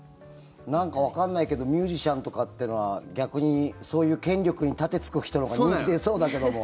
なんか、わからないけどミュージシャンとかってのは逆にそういう権力に盾突く人のほうが人気出そうだけども。